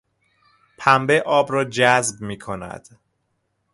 پنبه آب را جذب میکند.